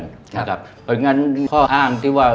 เพราะฉะนั้นข้ออ้างที่ว่า